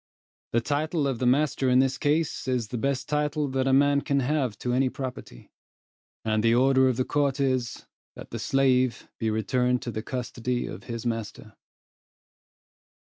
The title of the master in this case is the best title that a man can have to any property; and the order of the court is, that the slave be returned to the custody of his master.